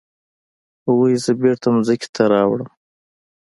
هغوی زه بیرته ځمکې ته راوړم.